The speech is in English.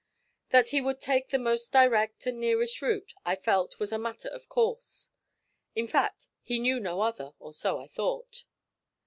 That he would take the most direct and nearest route, I felt, was a matter of course. In fact, he knew no other, or so I thought.